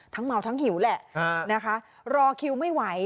ทั้งเมาทั้งหิวแหละรอคิวไม่ไหว